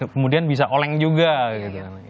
kemudian bisa oleng juga gitu kan